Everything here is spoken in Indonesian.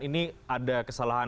ini ada kesalahan